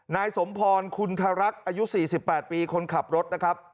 นายสมโพนคุณทรักอายุ๔๘ปีคนขับรถ